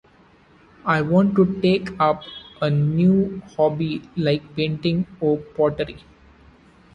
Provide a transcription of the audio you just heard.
I want to take up a new hobby like painting or pottery.